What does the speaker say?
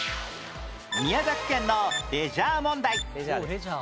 宮崎県のレジャー問題